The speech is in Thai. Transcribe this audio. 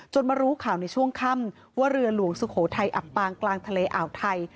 มารู้ข่าวในช่วงค่ำว่าเรือหลวงสุโขทัยอับปางกลางทะเลอ่าวไทย